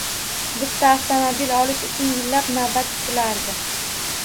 Bitta avtomobil olish uchun yillab navbat kutilardi.